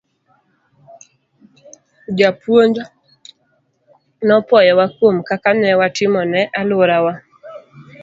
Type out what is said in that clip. Japuonj nopwoyowa kuom kaka ne watimo ne alworawa.